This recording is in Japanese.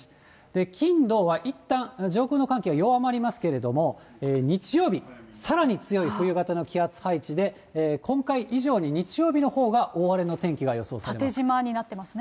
金、土はいったん上空の寒気は弱まりますけれども、日曜日、さらに強い冬型の気圧配置で今回以上に日曜日のほうが大荒れの天縦じまになってますね。